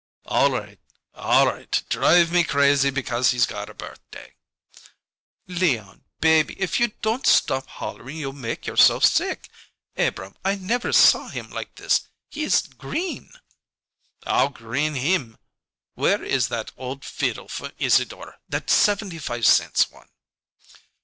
"All right all right drive me crazy because he's got a birthday." "Leon baby if you don't stop hollering you'll make yourself sick. Abrahm, I never saw him like this he's green " "I'll green him. Where is that old feedle from Isadore that seventy five cents one?"